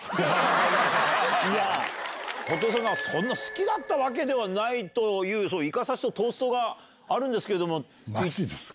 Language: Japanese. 布袋さんがそんな好きだったわけではないというイカ刺しとトーストがあるんですけども。